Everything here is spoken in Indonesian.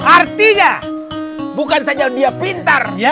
artinya bukan saja dia pintar